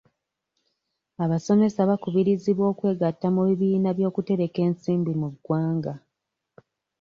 Abasomesa bakubirizibwa okwegatta mu bibiina by'okutereka ensimbi mu ggwanga.